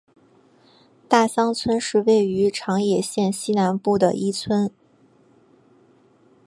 大桑村是位于长野县西南部的一村。